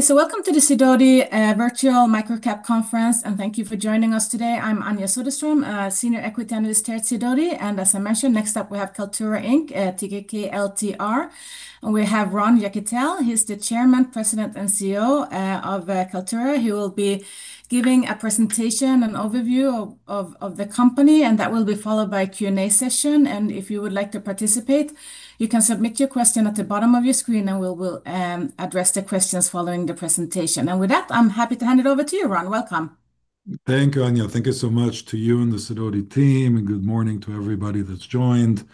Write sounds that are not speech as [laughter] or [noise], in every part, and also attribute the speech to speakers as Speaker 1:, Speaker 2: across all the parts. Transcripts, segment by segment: Speaker 1: Okay, so welcome to the Sidoti Virtual Microcap Conference, and thank you for joining us today. I'm Anja Soderstrom, Senior Equity Analyst here at Sidoti, and as I mentioned, next up we have Kaltura Inc., KLTR, and we have Ron Yekutiel. He's the Chairman, President, and CEO of Kaltura. He will be giving a presentation, an overview of the company, and that will be followed by a Q&A session. And if you would like to participate, you can submit your question at the bottom of your screen, and we will address the questions following the presentation. And with that, I'm happy to hand it over to you, Ron. Welcome.
Speaker 2: Thank you, Anja. Thank you so much to you and the Sidoti team, and good morning to everybody that's joined.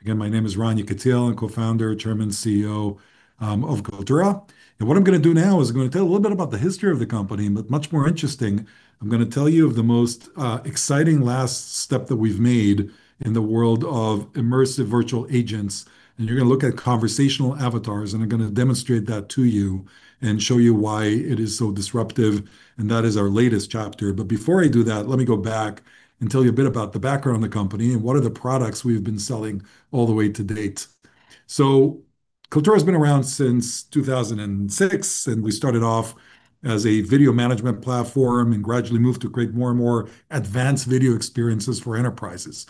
Speaker 2: Again, my name is Ron Yekutiel, Co-founder, Chairman, CEO of Kaltura. And what I'm going to do now is I'm going to tell you a little bit about the history of the company, but much more interesting, I'm going to tell you of the most exciting last step that we've made in the world of immersive virtual agents. And you're going to look at conversational avatars, and I'm going to demonstrate that to you and show you why it is so disruptive. And that is our latest chapter. But before I do that, let me go back and tell you a bit about the background of the company and what are the products we've been selling all the way to date. Kaltura has been around since 2006, and we started off as a video management platform and gradually moved to create more and more advanced video experiences for enterprises.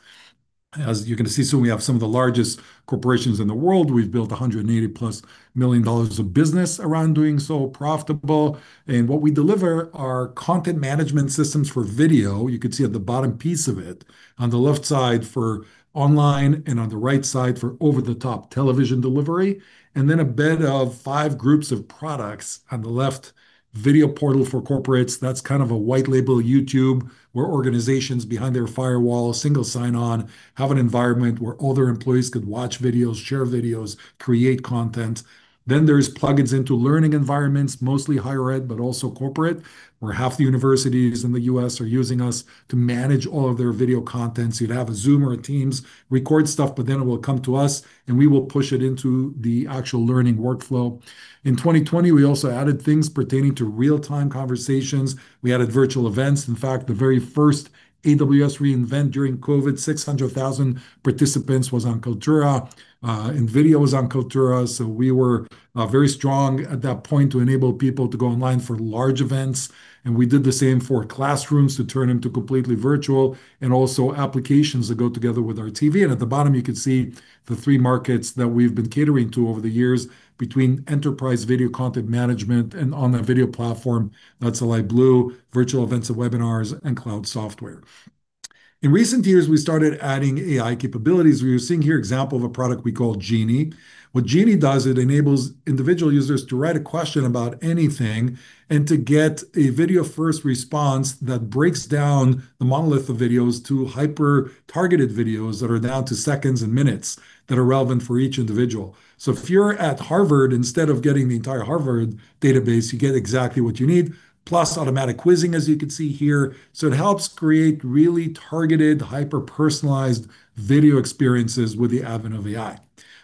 Speaker 2: As you can see, so we have some of the largest corporations in the world. We've built $180 million of business around doing so profitable. And what we deliver are content management systems for video. You can see at the bottom piece of it on the left side for online and on the right side for over-the-top television delivery. And then a breadth of five groups of products on the left, video portal for corporates. That's kind of a white label YouTube where organizations behind their firewall, single sign-on, have an environment where all their employees could watch videos, share videos, create content. Then there's plug-ins into learning environments, mostly higher ed, but also corporate, where half the universities in the U.S. are using us to manage all of their video contents. You'd have a Zoom or a Teams record stuff, but then it will come to us, and we will push it into the actual learning workflow. In 2020, we also added things pertaining to real-time conversations. We added virtual events. In fact, the very first AWS re:Invent during COVID, 600,000 participants was on Kaltura, and video was on Kaltura. So we were very strong at that point to enable people to go online for large events. And we did the same for classrooms to turn into completely virtual and also applications that go together with our TV. At the bottom, you can see the three markets that we've been catering to over the years between enterprise video content management and on that video platform. That's a light blue, virtual events and webinars, and cloud software. In recent years, we started adding AI capabilities. We were seeing here an example of a product we call Genie. What Genie does, it enables individual users to write a question about anything and to get a video first response that breaks down the monolith of videos to hyper-targeted videos that are down to seconds and minutes that are relevant for each individual. So if you're at Harvard, instead of getting the entire Harvard database, you get exactly what you need, plus automatic quizzing, as you can see here. So it helps create really targeted, hyper-personalized video experiences with the advent of AI.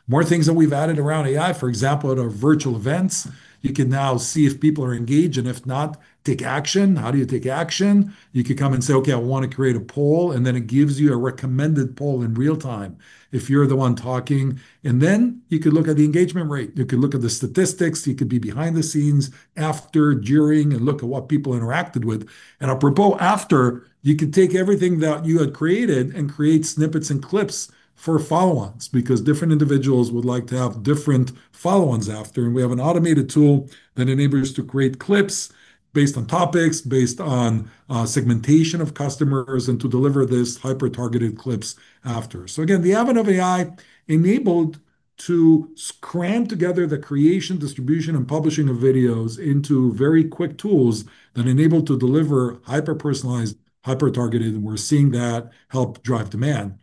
Speaker 2: More things that we've added around AI, for example, at our virtual events, you can now see if people are engaged and if not, take action. How do you take action? You could come and say, "Okay, I want to create a poll," and then it gives you a recommended poll in real time if you're the one talking, and then you could look at the engagement rate. You could look at the statistics. You could be behind the scenes, after, during, and look at what people interacted with, and apropos after, you could take everything that you had created and create snippets and clips for follow-ons because different individuals would like to have different follow-ons after, and we have an automated tool that enables you to create clips based on topics, based on segmentation of customers, and to deliver these hyper-targeted clips after. Again, the advent of AI enabled us to cram together the creation, distribution, and publishing of videos into very quick tools that enable us to deliver hyper-personalized, hyper-targeted, and we're seeing that help drive demand.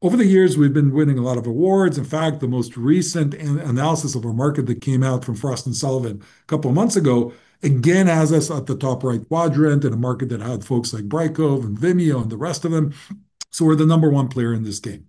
Speaker 2: Over the years, we've been winning a lot of awards. In fact, the most recent analysis of our market that came out from Frost & Sullivan a couple of months ago again has us at the top right quadrant in a market that had folks like Brightcove and Vimeo and the rest of them. So we're the number one player in this game.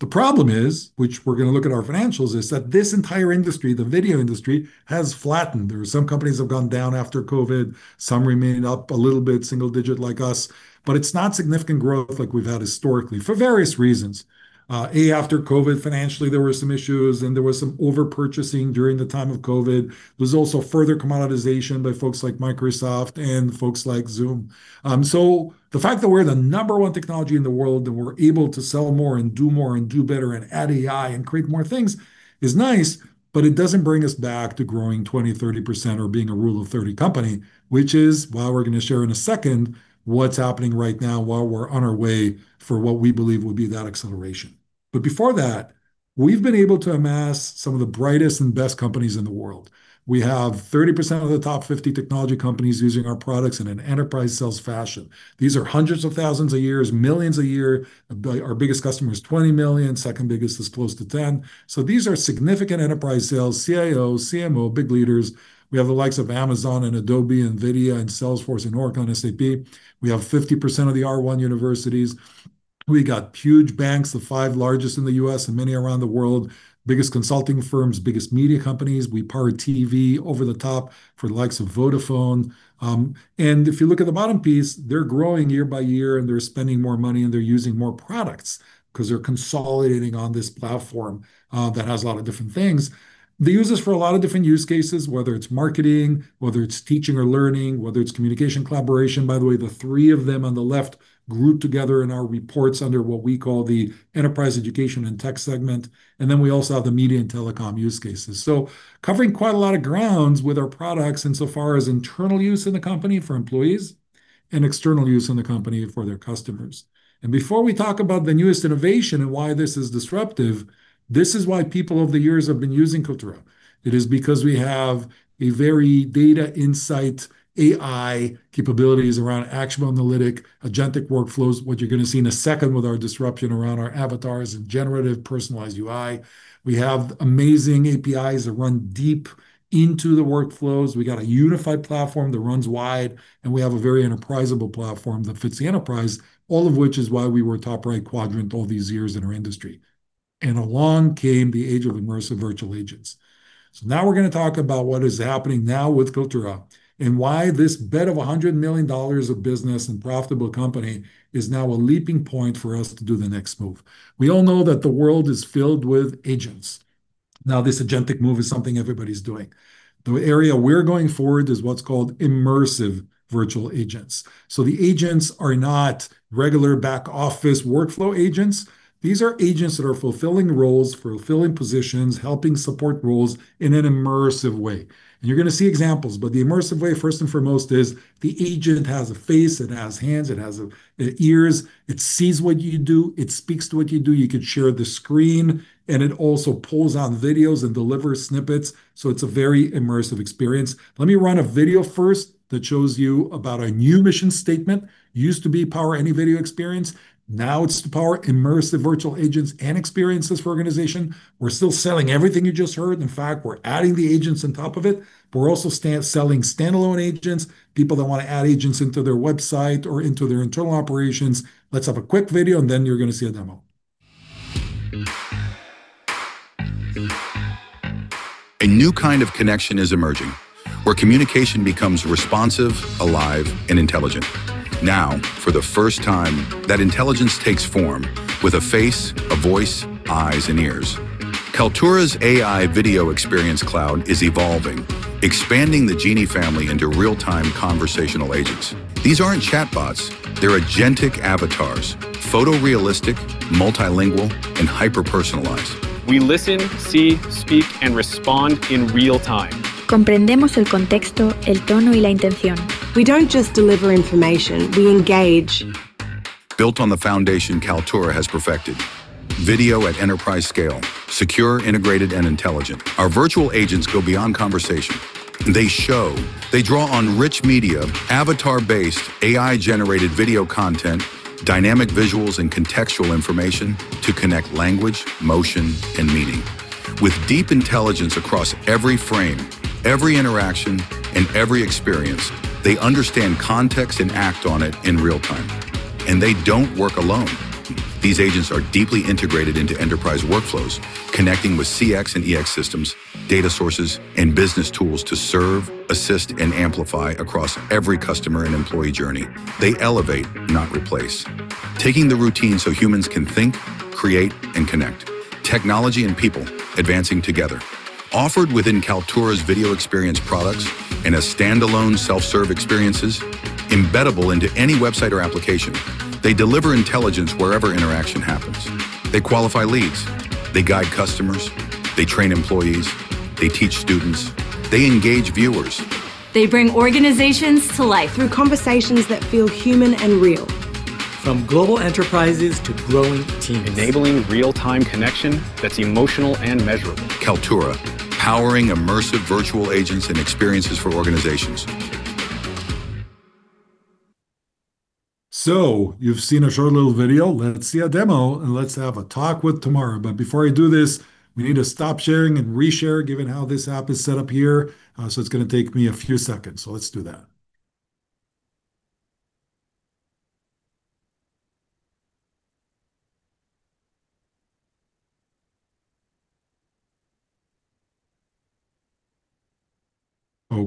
Speaker 2: The problem is, which we're going to look at our financials, is that this entire industry, the video industry, has flattened. There are some companies that have gone down after COVID. Some remain up a little bit, single digit like us, but it's not significant growth like we've had historically for various reasons. After COVID, financially, there were some issues, and there was some overpurchasing during the time of COVID. There was also further commoditization by folks like Microsoft and folks like Zoom. So the fact that we're the number one technology in the world and we're able to sell more and do more and do better and add AI and create more things is nice, but it doesn't bring us back to growing 20%-30% or being a Rule of 30 company, which is why we're going to share in a second what's happening right now while we're on our way for what we believe would be that acceleration. But before that, we've been able to amass some of the brightest and best companies in the world. We have 30% of the top 50 technology companies using our products in an enterprise sales fashion. These are hundreds of thousands of users, millions a year. Our biggest customer is $20 million. Second biggest is close to $10 million. So these are significant enterprise sales, CIOs, CMOs, big leaders. We have the likes of Amazon and Adobe and NVIDIA and Salesforce and Oracle and SAP. We have 50% of the R1 universities. We got huge banks, the five largest in the U.S. and many around the world, biggest consulting firms, biggest media companies. We power TV over the top for the likes of Vodafone. And if you look at the bottom piece, they're growing year by year, and they're spending more money, and they're using more products because they're consolidating on this platform that has a lot of different things. They use this for a lot of different use cases, whether it's marketing, whether it's teaching or learning, whether it's communication collaboration. By the way, the three of them on the left group together in our reports under what we call the enterprise education and tech segment. And then we also have the media and telecom use cases. So covering quite a lot of grounds with our products insofar as internal use in the company for employees and external use in the company for their customers. And before we talk about the newest innovation and why this is disruptive, this is why people over the years have been using Kaltura. It is because we have very data insight AI capabilities around action analytics, agentic workflows, what you're going to see in a second with our disruption around our avatars and generative personalized UI. We have amazing APIs that run deep into the workflows. We got a unified platform that runs wide, and we have a very enterprisable platform that fits the enterprise, all of which is why we were top right quadrant all these years in our industry, and along came the age of immersive virtual agents, so now we're going to talk about what is happening now with Kaltura and why this base of $100 million of business and profitable company is now a leaping point for us to do the next move. We all know that the world is filled with agents. Now, this agentic move is something everybody's doing. The area we're going forward is what's called immersive virtual agents, so the agents are not regular back office workflow agents. These are agents that are fulfilling roles, fulfilling positions, helping support roles in an immersive way. You're going to see examples, but the immersive way, first and foremost, is the agent has a face. It has hands. It has ears. It sees what you do. It speaks to what you do. You could share the screen, and it also pulls on videos and delivers snippets. So it's a very immersive experience. Let me run a video first that shows you about a new mission statement. Used to be power any video experience. Now it's to power immersive virtual agents and experiences for organizations. We're still selling everything you just heard. In fact, we're adding the agents on top of it, but we're also selling standalone agents, people that want to add agents into their website or into their internal operations. Let's have a quick video, and then you're going to see a demo. A new kind of connection is emerging where communication becomes responsive, alive, and intelligent. Now, for the first time, that intelligence takes form with a face, a voice, eyes, and ears. Kaltura's AI Video Experience Cloud is evolving, expanding the Genie family into real-time conversational agents. These aren't chatbots. They're agentic avatars, photorealistic, multilingual, and hyper-personalized. We listen, see, speak, and respond in real time. We don't just deliver information. We engage. Built on the foundation Kaltura has perfected: video at enterprise scale, secure, integrated, and intelligent. Our virtual agents go beyond conversation. They show. They draw on rich media, avatar-based, AI-generated video content, dynamic visuals, and contextual information to connect language, motion, and meaning. With deep intelligence across every frame, every interaction, and every experience, they understand context and act on it in real time. And they don't work alone. These agents are deeply integrated into enterprise workflows, connecting with CX and EX systems, data sources, and business tools to serve, assist, and amplify across every customer and employee journey. They elevate, not replace, taking the routine so humans can think, create, and connect. Technology and people advancing together. Offered within Kaltura's video experience products and as standalone self-serve experiences embeddable into any website or application, they deliver intelligence wherever interaction happens. They qualify leads. They guide customers. They train employees. They teach students. They engage viewers. They bring organizations to life through conversations that feel human and real. From global enterprises to growing teams. Enabling real-time connection that's emotional and measurable. Kaltura, powering immersive virtual agents and experiences for organizations. You've seen a short little video. Let's see a demo, and let's have a talk with Tamara. But before I do this, we need to stop sharing and reshare, given how this app is set up here. So it's going to take me a few seconds. So let's do that.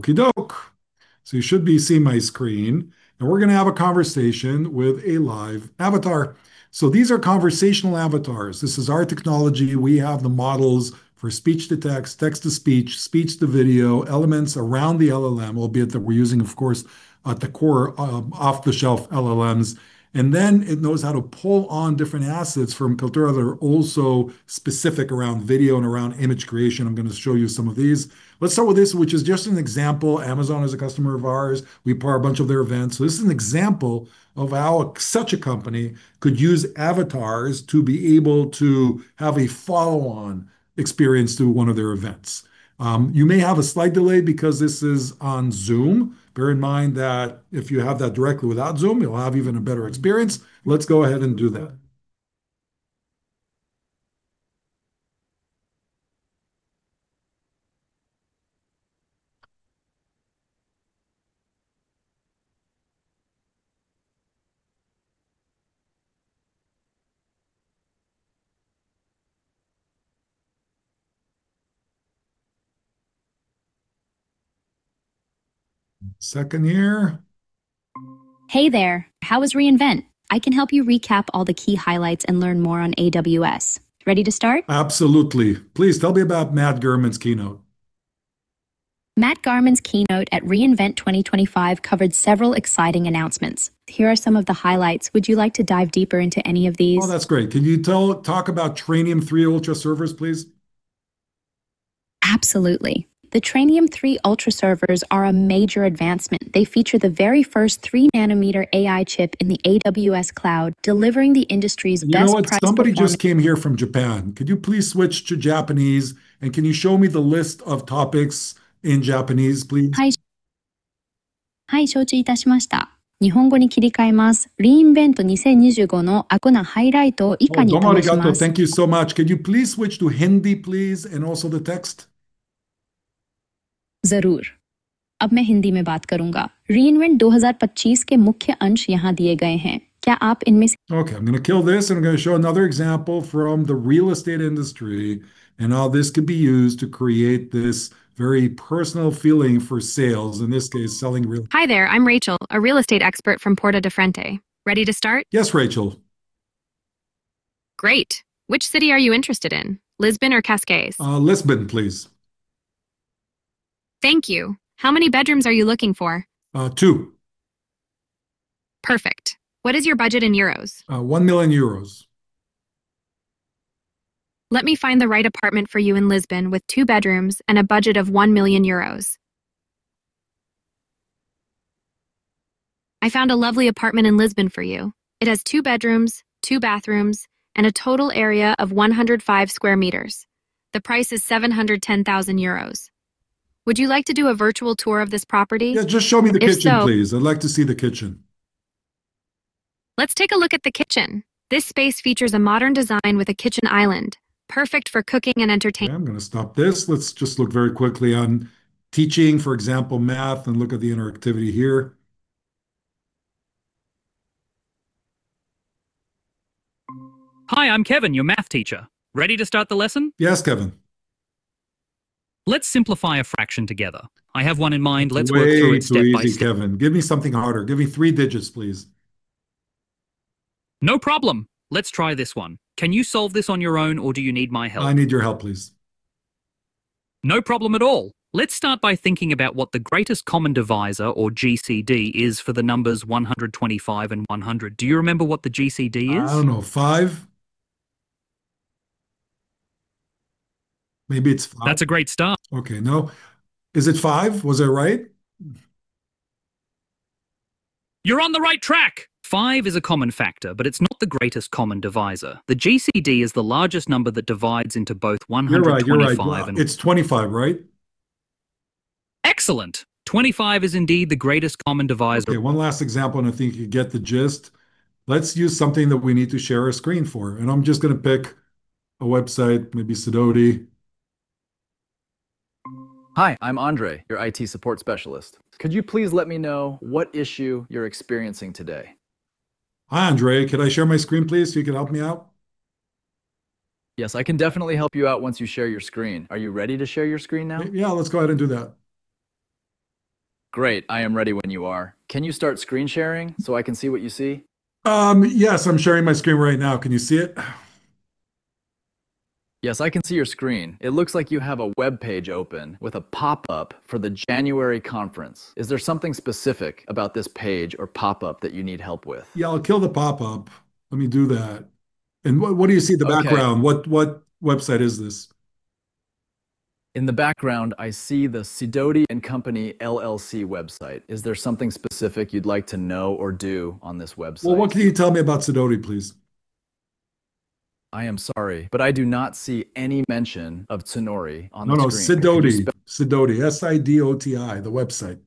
Speaker 2: Okey doke. So you should be seeing my screen. And we're going to have a conversation with a live avatar. So these are conversational avatars. This is our technology. We have the models for speech to text, text to speech, speech to video, elements around the LLM, albeit that we're using, of course, at the core off-the-shelf LLMs. And then it knows how to pull on different assets from Kaltura that are also specific around video and around image creation. I'm going to show you some of these. Let's start with this, which is just an example. Amazon is a customer of ours. We power a bunch of their events. So this is an example of how such a company could use avatars to be able to have a follow-on experience to one of their events. You may have a slight delay because this is on Zoom. Bear in mind that if you have that directly without Zoom, you'll have even a better experience. Let's go ahead and do that. Second here. Hey there. How was re:Invent? I can help you recap all the key highlights and learn more on AWS. Ready to start? Absolutely. Please tell me about Matt Garman's keynote. Matt Garman's keynote at re:Invent 2025 covered several exciting announcements. Here are some of the highlights. Would you like to dive deeper into any of these? Oh, that's great. Can you talk about Trainium3 Ultra servers, please? Absolutely. The Trainium3 Ultra servers are a major advancement. They feature the very first 3-nanometer AI chip in the AWS cloud, delivering the industry's best practices for AI. You know what? Somebody just came here from Japan. Could you please switch to Japanese? And can you show me the list of topics in Japanese, please? Thank you so much. Could you please switch to Hindi, please, and also the text? Okay. I'm going to kill this, and I'm going to show another example from the real estate industry, and how this could be used to create this very personal feeling for sales, in this case, selling real estate. Hi there. I'm Rachel, a real estate expert from Porta da Frente. Ready to start? Yes, Rachel. Great. Which city are you interested in, Lisbon or Cascais? Lisbon, please. Thank you. How many bedrooms are you looking for? Two. Perfect. What is your budget in euros? 1 million euros. Let me find the right apartment for you in Lisbon with two bedrooms and a budget of 1 million euros. I found a lovely apartment in Lisbon for you. It has two bedrooms, two bathrooms, and a total area of 105 square meters. The price is 710,000 euros. Would you like to do a virtual tour of this property? Yeah, just show me the kitchen, please. I'd like to see the kitchen. Let's take a look at the kitchen. This space features a modern design with a kitchen island, perfect for cooking and entertaining. I'm going to stop this. Let's just look very quickly on teaching, for example, math, and look at the interactivity here. Hi, I'm Kevin, your math teacher. Ready to start the lesson? Yes, Kevin. Let's simplify a fraction together. I have one in mind. Let's work through it step by step. What do you need, Kevin? Give me something harder. Give me three digits, please. No problem. Let's try this one. Can you solve this on your own, or do you need my help? I need your help, please. No problem at all. Let's start by thinking about what the greatest common divisor, or GCD, is for the numbers 125 and 100. Do you remember what the GCD is? I don't know. Five? Maybe it's five. That's a great start. Okay. No. Is it five? Was I right? You're on the right track. Five is a common factor, but it's not the greatest common divisor. The GCD is the largest number that divides into both 125 [crosstalk] and 100. It's 25, right? Excellent. 25 is indeed the greatest common divisor. Okay. One last example, and I think you get the gist. Let's use something that we need to share a screen for, and I'm just going to pick a website, maybe Sotheby's. Hi, I'm André, your IT support specialist. Could you please let me know what issue you're experiencing today? Hi, André. Could I share my screen, please, so you can help me out? Yes, I can definitely help you out once you share your screen. Are you ready to share your screen now? Yeah, let's go ahead and do that. Great. I am ready when you are. Can you start screen sharing so I can see what you see? Yes, I'm sharing my screen right now. Can you see it? Yes, I can see your screen. It looks like you have a web page open with a pop-up for the January conference. Is there something specific about this page or pop-up that you need help with? Yeah, I'll kill the pop-up. Let me do that, and what do you see in the background? What website is this? In the background, I see the Sidoti & Company LLC website. Is there something specific you'd like to know or do on this website? What can you tell me about Sidoti, please? I am sorry, but I do not see any mention of Tsunori on the screen. No, no. Sidoti. Sidoti. S-I-D-O-T-I, the website.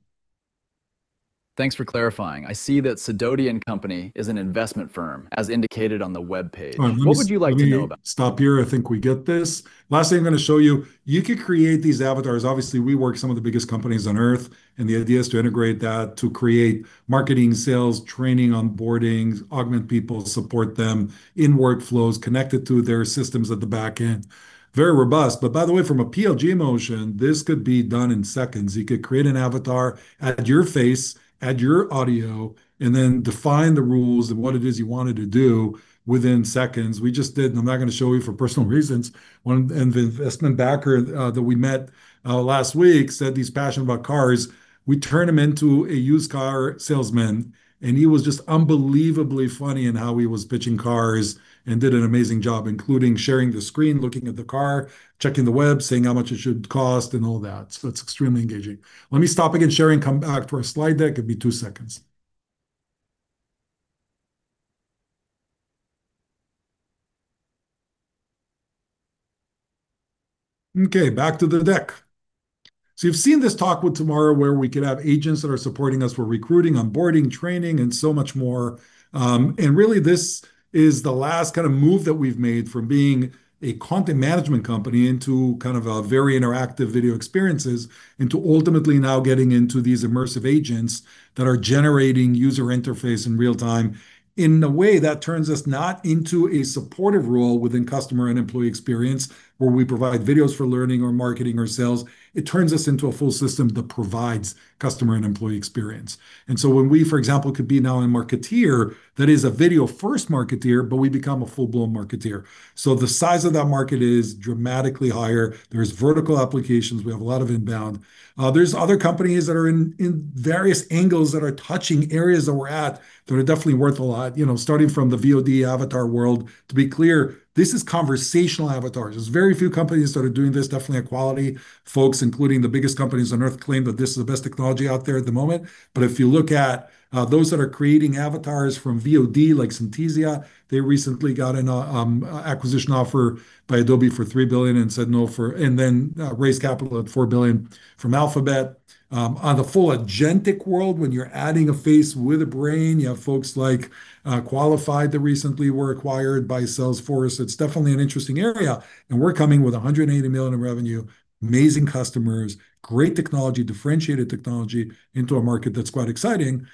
Speaker 2: Thanks for clarifying. I see that Sidoti & Company is an investment firm, as indicated on the web page. All right. Thank you. What would you like to know about? Stop here. I think we get this. Last thing I'm going to show you, you could create these avatars. Obviously, we work with some of the biggest companies on Earth, and the idea is to integrate that to create marketing, sales, training, onboardings, augment people, support them in workflows, connect it to their systems at the back end. Very robust. But by the way, from a PLG motion, this could be done in seconds. You could create an avatar at your face, add your audio, and then define the rules and what it is you wanted to do within seconds. We just did, and I'm not going to show you for personal reasons. One of the investment backers that we met last week said he's passionate about cars. We turned him into a used car salesman, and he was just unbelievably funny in how he was pitching cars and did an amazing job, including sharing the screen, looking at the car, checking the web, seeing how much it should cost, and all that. So it's extremely engaging. Let me stop again sharing. Come back to our slide deck. It'll be two seconds. Okay. Back to the deck. So you've seen this talk with Tamara where we could have agents that are supporting us for recruiting, onboarding, training, and so much more. Really, this is the last kind of move that we've made from being a content management company into kind of very interactive video experiences into ultimately now getting into these immersive agents that are generating user interface in real time in a way that turns us not into a supportive role within customer and employee experience where we provide videos for learning or marketing or sales. It turns us into a full system that provides customer and employee experience. And so when we, for example, could be now a marketer that is a video-first marketer, but we become a full-blown marketer. So the size of that market is dramatically higher. There's vertical applications. We have a lot of inbound. There's other companies that are in various angles that are touching areas that we're at that are definitely worth a lot. Starting from the VOD avatar world, to be clear, this is conversational avatars. There's very few companies that are doing this. Definitely a quality folks, including the biggest companies on earth, claim that this is the best technology out there at the moment. But if you look at those that are creating avatars from VOD, like Synthesia, they recently got an acquisition offer by Adobe for $3 billion and said no for, and then raised capital at $4 billion from Alphabet. On the full agentic world, when you're adding a face with a brain, you have folks like Qualified that recently were acquired by Salesforce. It's definitely an interesting area. And we're coming with $180 million in revenue, amazing customers, great technology, differentiated technology into a market that's quite exciting.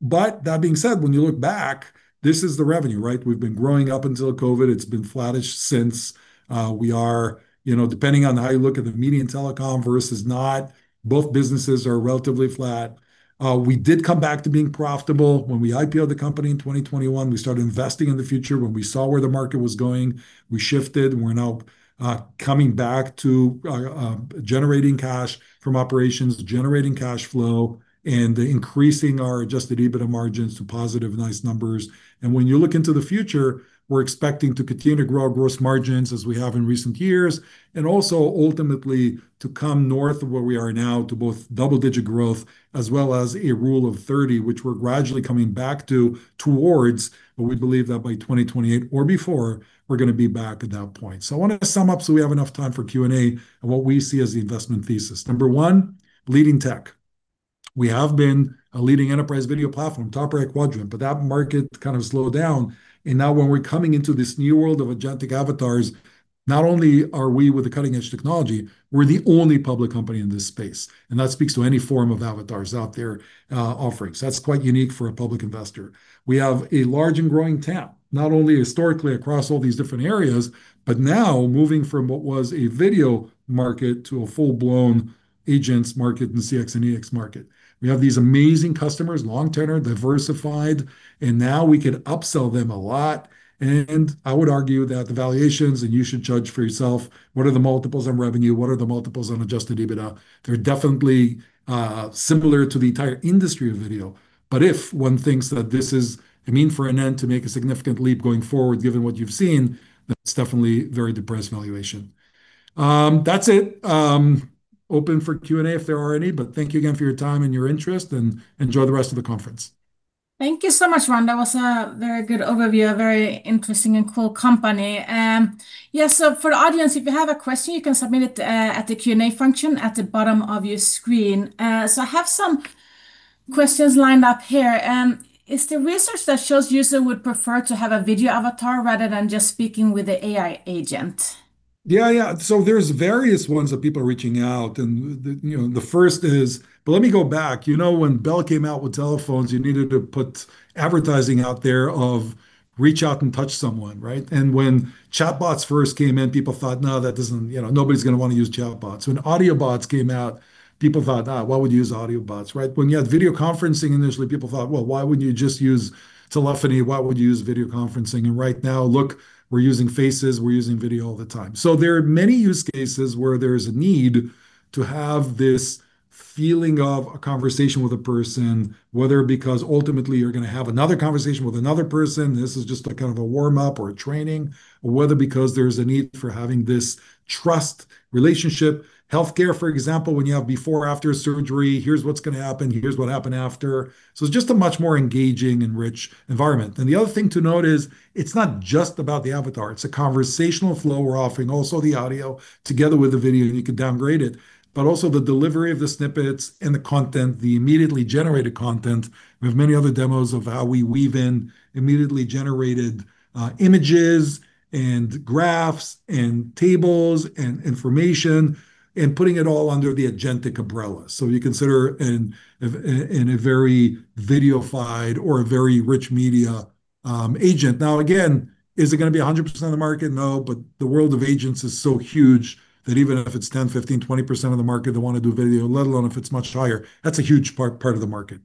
Speaker 2: But that being said, when you look back, this is the revenue, right? We've been growing up until COVID. It's been flattish since. We are, depending on how you look at the Media and Telecom versus not, both businesses are relatively flat. We did come back to being profitable. When we IPO'd the company in 2021, we started investing in the future. When we saw where the market was going, we shifted. We're now coming back to generating cash from operations, generating cash flow, and increasing our Adjusted EBITDA margins to positive nice numbers, and when you look into the future, we're expecting to continue to grow our gross margins as we have in recent years, and also ultimately to come north of where we are now to both double-digit growth as well as a Rule of 30, which we're gradually coming back to towards, but we believe that by 2028 or before, we're going to be back at that point. I want to sum up so we have enough time for Q&A and what we see as the investment thesis. Number one, leading tech. We have been a leading enterprise video platform, top-ranked quadrant, but that market kind of slowed down. And now, when we're coming into this new world of agentic avatars, not only are we with the cutting-edge technology, we're the only public company in this space. And that speaks to any form of avatars out there offering. So that's quite unique for a public investor. We have a large and growing TAM, not only historically across all these different areas, but now moving from what was a video market to a full-blown agents market and CX and EX market. We have these amazing customers, long-tenor, diversified, and now we could upsell them a lot. I would argue that the valuations, and you should judge for yourself, what are the multiples on revenue? What are the multiples on Adjusted EBITDA? They're definitely similar to the entire industry of video. But if one thinks that this is a means for an end to make a significant leap going forward, given what you've seen, that's definitely a very depressed valuation. That's it. Open for Q&A if there are any, but thank you again for your time and your interest, and enjoy the rest of the conference.
Speaker 1: Thank you so much, Ron. That was a very good overview, a very interesting and cool company. Yes, so for the audience, if you have a question, you can submit it at the Q&A function at the bottom of your screen. So I have some questions lined up here. Is there research that shows users would prefer to have a video avatar rather than just speaking with an AI agent?
Speaker 2: Yeah, yeah. So there's various ones that people are reaching out. And the first is, but let me go back. You know when Bell came out with telephones, you needed to put advertising out there of reach out and touch someone, right? And when chatbots first came in, people thought, "No, that doesn't, you know, nobody's going to want to use chatbots." When audio bots came out, people thought, why would you use audio bots? Right? When you had video conferencing initially, people thought, "Well, why wouldn't you just use telephony? Why would you use video conferencing?" And right now, look, we're using faces. We're using video all the time. There are many use cases where there is a need to have this feeling of a conversation with a person, whether because ultimately you're going to have another conversation with another person, this is just kind of a warm-up or a training, or whether because there's a need for having this trust relationship. Healthcare, for example, when you have before or after surgery, here's what's going to happen, here's what happened after. So it's just a much more engaging and rich environment. And the other thing to note is it's not just about the avatar. It's a conversational flow. We're offering also the audio together with the video, and you can downgrade it, but also the delivery of the snippets and the content, the immediately generated content. We have many other demos of how we weave in immediately generated images and graphs and tables and information and putting it all under the agentic umbrella. So you consider in a very video-fied or a very rich media agent. Now, again, is it going to be 100% of the market? No, but the world of agents is so huge that even if it's 10%, 15%, 20% of the market, they want to do video, let alone if it's much higher. That's a huge part of the market.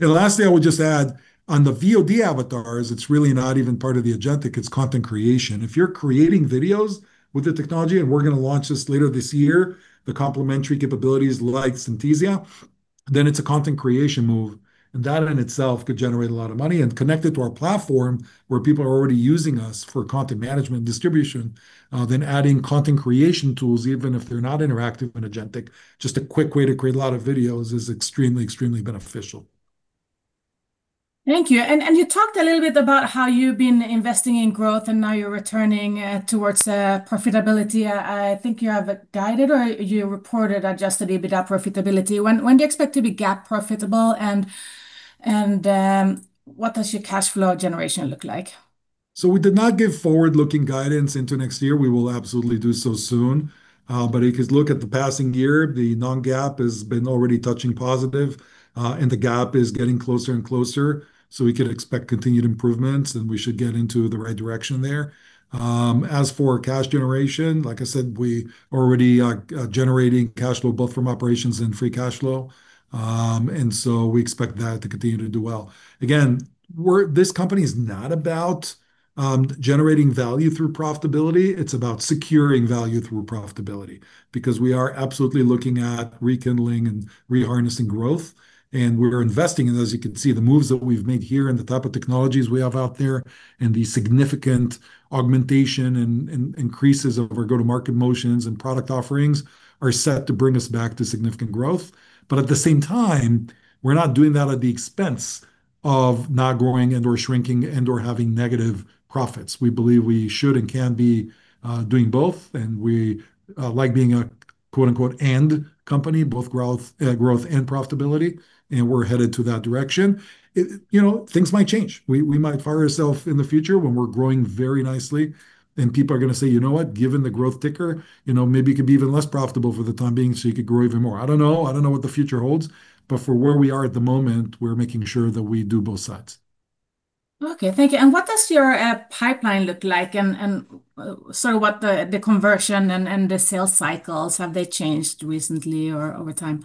Speaker 2: And lastly, I would just add on the VOD avatars, it's really not even part of the agentic. It's content creation. If you're creating videos with the technology, and we're going to launch this later this year, the complementary capabilities like Synthesia, then it's a content creation move. That in itself could generate a lot of money and connect it to our platform where people are already using us for content management and distribution, then adding content creation tools, even if they're not interactive and agentic, just a quick way to create a lot of videos is extremely, extremely beneficial.
Speaker 1: Thank you. And you talked a little bit about how you've been investing in growth and now you're returning towards profitability. I think you have guided or you reported Adjusted EBITDA profitability. When do you expect to be GAAP profitable, and what does your cash flow generation look like?
Speaker 2: We did not give forward-looking guidance into next year. We will absolutely do so soon. But if you look at the passing year, the non-GAAP has been already touching positive, and the GAAP is getting closer and closer. So we could expect continued improvements, and we should get into the right direction there. As for cash generation, like I said, we are already generating cash flow both from operations and free cash flow. And so we expect that to continue to do well. Again, this company is not about generating value through profitability. It's about securing value through profitability because we are absolutely looking at rekindling and reharnessing growth. We're investing in, as you can see, the moves that we've made here and the type of technologies we have out there and the significant augmentation and increases of our go-to-market motions and product offerings are set to bring us back to significant growth. At the same time, we're not doing that at the expense of not growing and/or shrinking and/or having negative profits. We believe we should and can be doing both. We like being a quote-unquote "and" company, both growth and profitability. We're headed to that direction. Things might change. We might fire ourselves in the future when we're growing very nicely, and people are going to say, "You know what? Given the growth ticker, maybe it could be even less profitable for the time being, so you could grow even more." I don't know. I don't know what the future holds. But for where we are at the moment, we're making sure that we do both sides.
Speaker 1: Okay. Thank you. And what does your pipeline look like? And so what the conversion and the sales cycles have they changed recently or over time?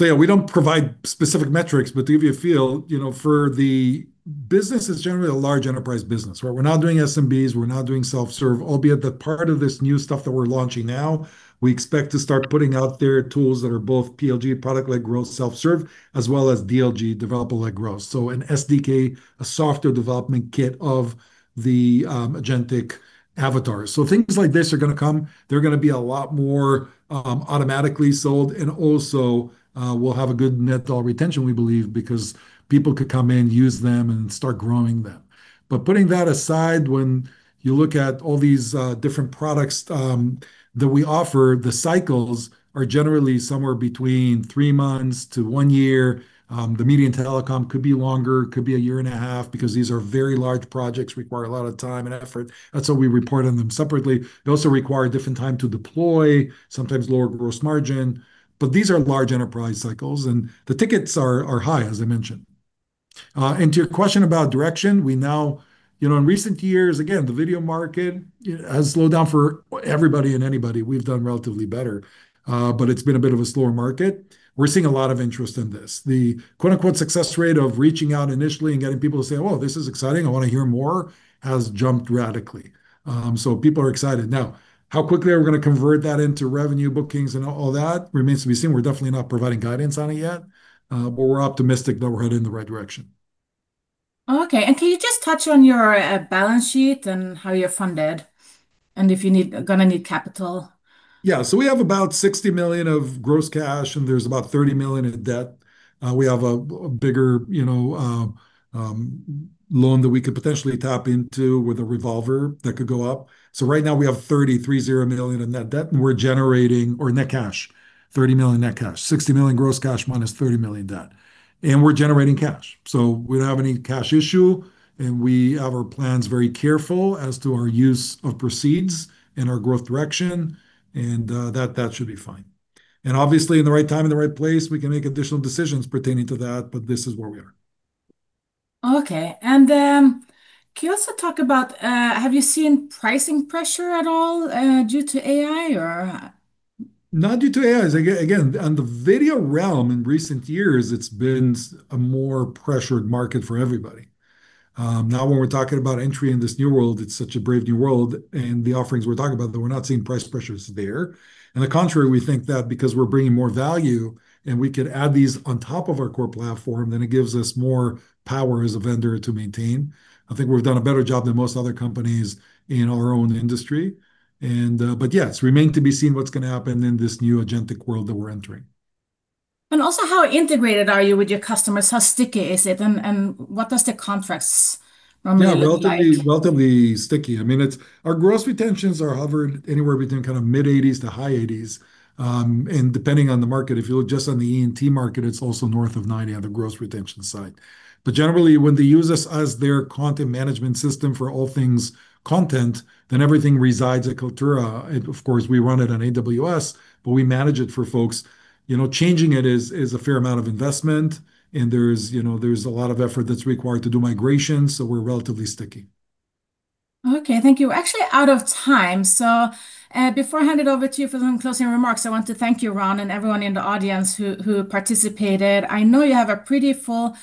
Speaker 2: We don't provide specific metrics, but to give you a feel for the business is generally a large enterprise business, right? We're not doing SMBs. We're not doing self-serve, albeit that part of this new stuff that we're launching now, we expect to start putting out there tools that are both PLG, product-led growth, self-serve, as well as DLG, developer-led growth, so an SDK, a software development kit of the agentic avatars, so things like this are going to come. They're going to be a lot more automatically sold. And also, we'll have a good net dollar retention, we believe, because people could come in, use them, and start growing them. But putting that aside, when you look at all these different products that we offer, the cycles are generally somewhere between three months to one year. The median telecom could be longer, could be a year and a half because these are very large projects [that] require a lot of time and effort. That's what we report on them separately. They also require different time to deploy, sometimes lower gross margin. These are large enterprise cycles, and the tickets are high, as I mentioned. To your question about direction, we now, in recent years, again, the video market has slowed down for everybody and anybody. We've done relatively better, but it's been a bit of a slower market. We're seeing a lot of interest in this. The quote-unquote "success rate" of reaching out initially and getting people to say, "Oh, this is exciting. I want to hear more," has jumped radically. People are excited. Now, how quickly are we going to convert that into revenue bookings and all that remains to be seen. We're definitely not providing guidance on it yet, but we're optimistic that we're heading in the right direction.
Speaker 1: Okay. And can you just touch on your balance sheet and how you're funded and if you're going to need capital?
Speaker 2: Yeah. So we have about $60 million of gross cash, and there's about $30 million in debt. We have a bigger loan that we could potentially tap into with a revolver that could go up. So right now, we have $30 million in net debt, and we're generating our net cash, $30 million net cash, $60 million gross cash minus $30 million debt. And we're generating cash. So we don't have any cash issue, and we have our plans very careful as to our use of proceeds and our growth direction, and that should be fine. And obviously, in the right time, in the right place, we can make additional decisions pertaining to that, but this is where we are.
Speaker 1: Okay, and can you also talk about, have you seen pricing pressure at all due to AI or?
Speaker 2: Not due to AI. Again, on the video realm in recent years, it's been a more pressured market for everybody. Now, when we're talking about entry in this new world, it's such a brave new world, and the offerings we're talking about, that we're not seeing price pressures there. On the contrary, we think that because we're bringing more value and we could add these on top of our core platform, then it gives us more power as a vendor to maintain. I think we've done a better job than most other companies in our own industry. But yes, it remains to be seen what's going to happen in this new agentic world that we're entering.
Speaker 1: And also, how integrated are you with your customers? How sticky is it? And what does the contracts normally look like?
Speaker 2: Yeah, relatively sticky. I mean, our gross retentions are hovered anywhere between kind of mid-80s% to high-80s%. And depending on the market, if you look just on the ENT market, it's also north of 90% on the gross retention side. But generally, when they use us as their content management system for all things content, then everything resides at Kaltura. Of course, we run it on AWS, but we manage it for folks. Changing it is a fair amount of investment, and there's a lot of effort that's required to do migrations. So we're relatively sticky.
Speaker 1: Okay. Thank you. Actually, out of time. So before I hand it over to you for some closing remarks, I want to thank you, Ron, and everyone in the audience who participated. I know you have a pretty full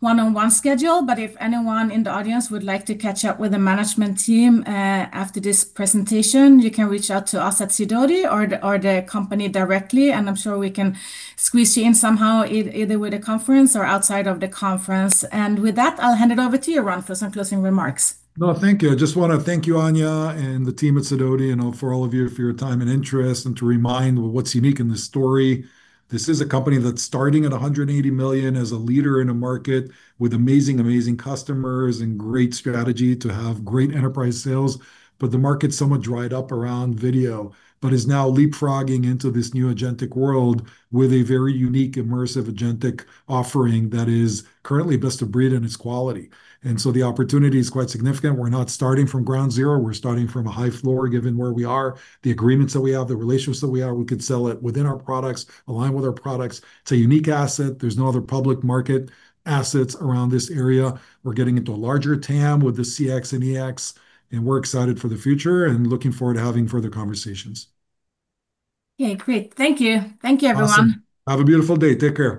Speaker 1: one-on-one schedule, but if anyone in the audience would like to catch up with the management team after this presentation, you can reach out to us at Sidoti or the company directly, and I'm sure we can squeeze you in somehow either with a conference or outside of the conference. And with that, I'll hand it over to you, Ron, for some closing remarks.
Speaker 2: No, thank you. I just want to thank you, Anja, and the team at Sidoti, and for all of you for your time and interest, and to remind what's unique in this story. This is a company that's starting at $180 million as a leader in a market with amazing, amazing customers and great strategy to have great enterprise sales, but the market's somewhat dried up around video, but is now leapfrogging into this new agentic world with a very unique, immersive agentic offering that is currently best of breed in its quality, and so the opportunity is quite significant. We're not starting from ground zero. We're starting from a high floor given where we are, the agreements that we have, the relationships that we have. We could sell it within our products, align with our products. It's a unique asset. There's no other public market assets around this area. We're getting into a larger TAM with the CX and EX, and we're excited for the future and looking forward to having further conversations.
Speaker 1: Okay. Great. Thank you. Thank you, everyone.
Speaker 2: Awesome. Have a beautiful day. Take care.